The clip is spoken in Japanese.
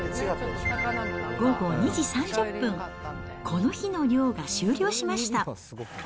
午後２時３０分、この日の漁が終了しました。